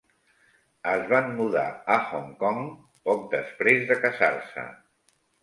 Es van mudar a Hong Kong poc després de casar-se.